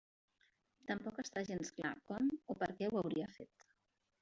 Tampoc està gens clar com o perquè ho hauria fet.